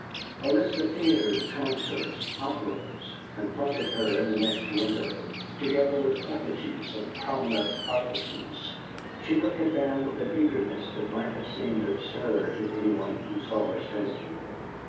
A list of theatres, concerts, operas confronted her in the next window, together with the effigies of prominent artistes. She looked at them with an eagerness that might have seemed absurd to anyone who saw her standing there.